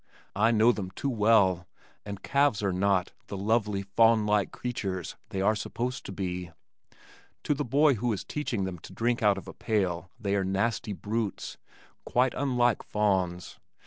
I know them too well and calves are not "the lovely, fawn like creatures" they are supposed to be. To the boy who is teaching them to drink out of a pail they are nasty brutes quite unlike fawns.